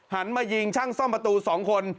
มายิงช่างซ่อมประตู๒คน